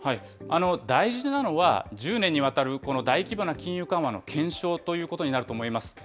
大事なのは、１０年にわたるこの大規模な金融緩和の検証ということになると思います。